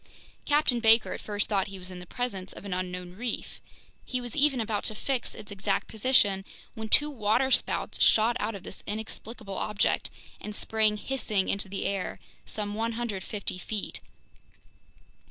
Captain Baker at first thought he was in the presence of an unknown reef; he was even about to fix its exact position when two waterspouts shot out of this inexplicable object and sprang hissing into the air some 150 feet.